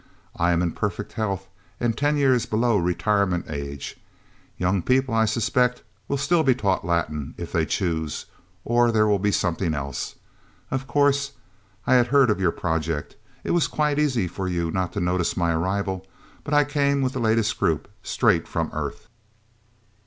I am in perfect health and ten years below retirement age. Young people, I suspect, will still be taught Latin if they choose... Or there will be something else... Of course I had heard of your project... It was quite easy for you not to notice my arrival. But I came with the latest group, straight from Earth..."